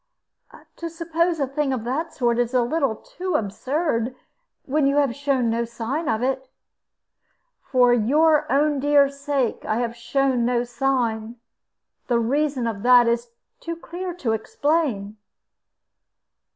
"To suppose a thing of that sort is a little too absurd, when you have shown no sign of it." "For your own dear sake I have shown no sign. The reason of that is too clear to explain."